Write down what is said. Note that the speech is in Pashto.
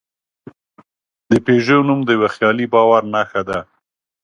د پيژو نوم د یوه خیالي باور نښه ده.